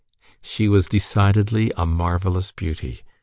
She was decidedly a marvellous beauty.